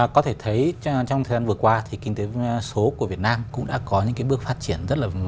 có thể thấy trong thời gian vừa qua kinh tế số của việt nam cũng đã có những bước phát triển